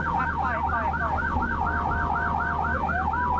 เออเอาเลยดูข้องดูข้อง